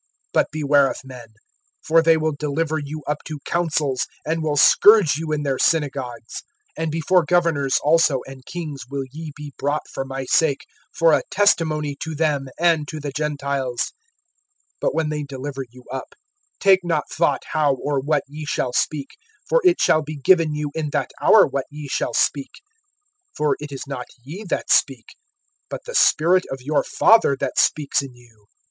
(17)But beware of men; for they will deliver you up to councils, and will scourge you in their synagogues; (18)and before governors also and kings will ye be brought for my sake, for a testimony to them and to the Gentiles. (19)But when they deliver you up, take not thought how or what ye shall speak; for it shall be given you in that hour what ye shall speak. (20)For it is not ye that speak, but the Spirit of your Father that speaks in you.